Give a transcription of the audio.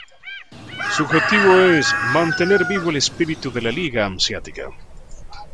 Su objetivo es "mantener vivo el espíritu de la Liga Hanseática".